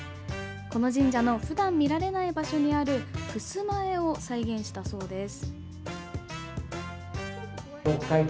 この神社の普段、見られない場所にあるふすま絵を再現したそうです。